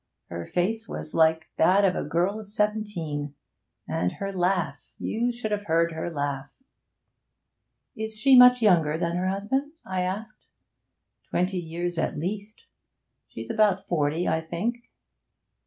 Her face was like that of a girl of seventeen. And her laugh you should have heard her laugh!' 'Is she much younger than her husband?' I asked. 'Twenty years at least. She's about forty, I think.'